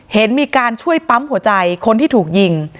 เห็นมีการช่วยปั๊มหัวใจคนที่ถูกยิง